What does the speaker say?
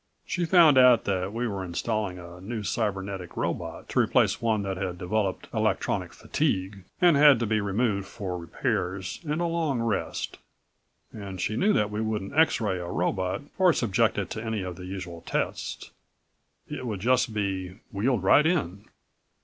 She found out that we were installing a new cybernetic robot, to replace one that had developed electronic fatigue and had to be removed for repairs and a long rest. And she knew that we wouldn't X ray a robot or subject it to any of the usual tests. It would just be wheeled right in."